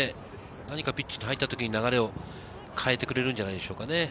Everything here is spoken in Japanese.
何かピッチに入った時に流れを変えてくれるんじゃないでしょうかね。